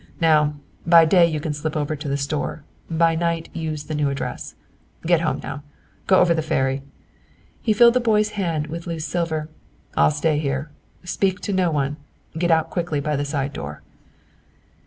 Now, by day you can slip over to the store, by night use the new address. Get home now. Go over the ferry." He filled the boy's hand with loose silver. "I'll stay here. Speak to no one. Get out quickly by the side door."